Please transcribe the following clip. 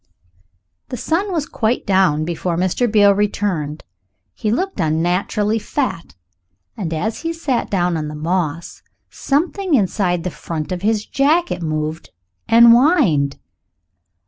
The sun was quite down before Mr. Beale returned. He looked unnaturally fat, and as he sat down on the moss something inside the front of his jacket moved and whined.